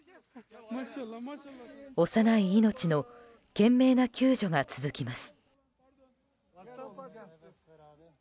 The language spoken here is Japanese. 幼い命の懸命な救助が続きます。